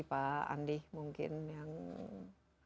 pak andi mungkin yang